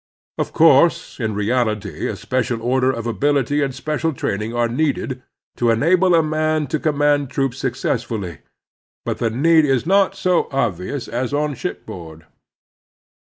Of course, in reality a special order of ability and special train ing are needed to enable a man to command troops successfully ; but the need is not so obviotis as on shipboard.